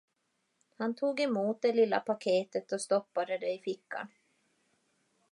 Han tog emot det lilla paketet och stoppade det i fickan.